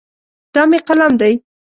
دا مې قلم دی.